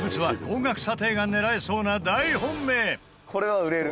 「これは売れる」